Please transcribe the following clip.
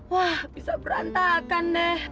wah bisa berantakan deh